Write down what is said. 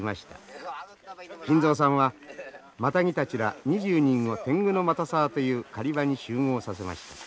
金蔵さんはマタギたちら２０人を天狗ノ又沢という狩り場に集合させました。